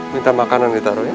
minta makanan ditaruh ya